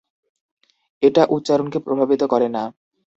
এটা উচ্চারণকে প্রভাবিত করে না।